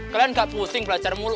kalian gak pusing belajar mulut